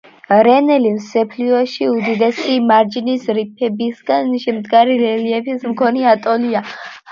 რენელი მსოფლიოში უდიდესი მარჯნის რიფებისგან შემდგარი რელიეფის მქონე ატოლია.